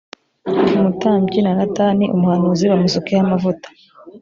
umutambyi na natani umuhanuzi bamusukeho amavuta